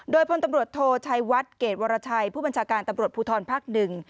โดยพลตำรวจโทชัยวัดเกรดวรชัยผู้บัญชาการตำรวจภูทรภักดิ์หนึ่ง